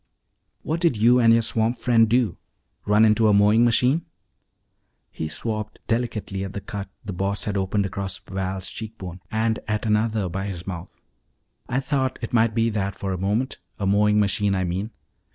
What did you and your swamp friend do run into a mowing machine?" He swabbed delicately at the cut the Boss had opened across Val's cheek bone, and at another by his mouth. "I thought it might be that for a moment a mowing machine, I mean.